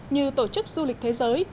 như tổ chức du lịch thế giới